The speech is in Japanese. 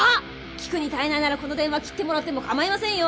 聞くに堪えないならこの電話切ってもらっても構いませんよ。